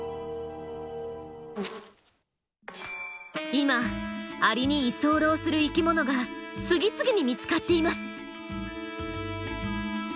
今アリに居候する生きものが次々に見つかっています。